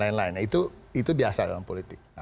itu biasa dalam politik